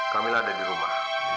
kamila ada di rumah